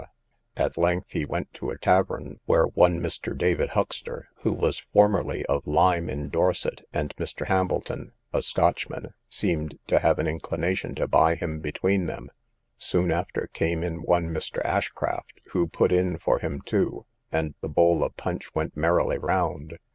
At length they went to a tavern, where one Mr. David Huxter, who was formerly of Lyme in Dorset, and Mr. Hambleton, a Scotchman, seemed to have an inclination to buy him between them; soon after came in one Mr. Ashcraft, who put in for him too, and the bowl of punch went merrily round.